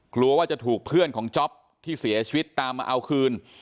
กลัวว่าจะถูกเพื่อนของจ๊อปที่เสียชีวิตตามมาเอาคืน